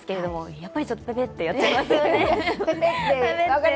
やっぱりちょっとぺぺってやっちゃいますね。